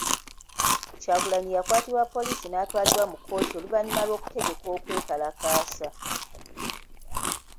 Kyagulanyi yakwatibwa poliisi n'atwalibwa mu kkooti oluvannyuma lw'okutegeka okwekalaasa.